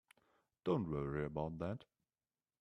Don't worry about that.